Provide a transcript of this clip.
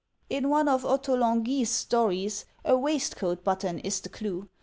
In one of Ottolen gui's stories a waistcoat button is the clue.